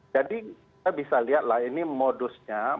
jadi kita bisa lihatlah ini modusnya motifnya